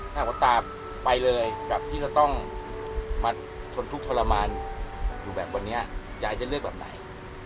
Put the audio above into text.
ถ้าตาไปเลยกับที่จะต้องมาทนทุกข์ทรมานอยู่แบบวันนี้ยายจะเลือกแบบไหน